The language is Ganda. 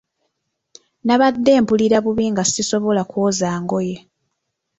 Nabadde mpulira bubi nga sisobola kwoza ngoye.